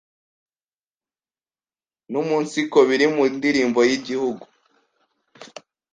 numunsiko biri mu ndirimbo y’Igihug